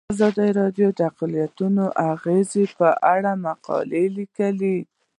ازادي راډیو د اقلیتونه د اغیزو په اړه مقالو لیکلي.